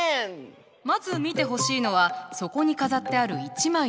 まず見てほしいのはそこに飾ってある一枚の絵。